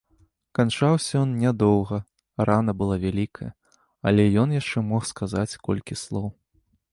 Канчаўся ён не доўга, рана была вялікая, але ён яшчэ мог сказаць колькі слоў.